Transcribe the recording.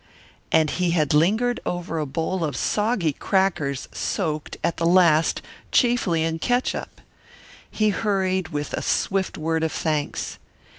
And he had lingered over a bowl of soggy crackers soaked, at the last, chiefly in catsup! He hurried, with a swift word of thanks.